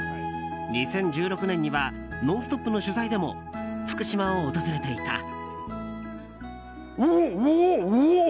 ２０１６年には「ノンストップ！」の取材でも福島を訪れていた。